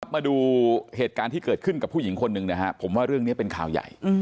มาดูเหตุการณ์ที่เกิดขึ้นกับผู้หญิงคนหนึ่งนะฮะผมว่าเรื่องนี้เป็นข่าวใหญ่